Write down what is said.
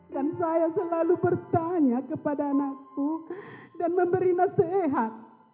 dan saya selalu bertanya kepada anakku dan memberi nasihat